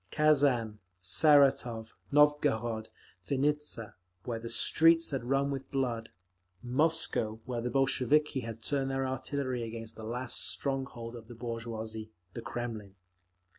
Kazan, Saratov, Novgorod, Vinnitza—where the streets had run with blood; Moscow, where the Bolsheviki had turned their artillery against the last strong hold of the bourgeoisie—the Kremlin.